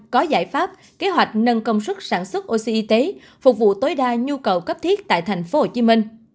có giải pháp kế hoạch nâng công suất sản xuất oxy phục vụ tối đa nhu cầu cấp thiết tại tp hcm